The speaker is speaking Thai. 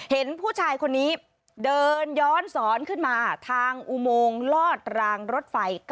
เห็นผู้ชายคนนี้เดินย้อนสอนขึ้นมาทางอุโมงลอดรางรถไฟ